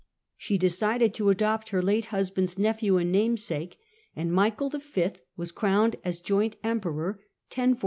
She decided to adopt her late husband's nephew and namesake, and Michael Y. Michael was crowned as joint Emperor in 1041.